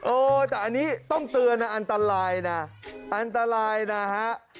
เออแต่อันนี้ต้องเตือนนะอันตรายนะอันตรายนะฮะ